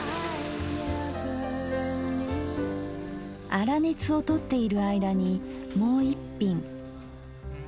粗熱をとっている間にもう一品。